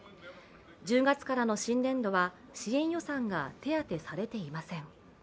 １０月からの新年度は支援予算が手当てされていません。